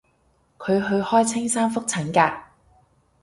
佢去開青山覆診㗎